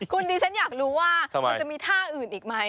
คุณดิฉันอยากรู้ว่ามันจะมีท่าอื่นอีกไหม